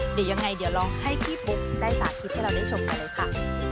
เดี๋ยวยังไงเดี๋ยวลองให้พี่ปุ๊กได้สาธิตให้เราได้ชมกันเลยค่ะ